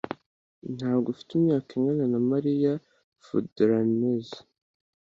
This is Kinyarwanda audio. Ntabwo afite imyaka ingana na Mariya FeuDRenais